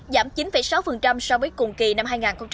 giảm chín sáu so với cùng kỳ năm hai nghìn một mươi tám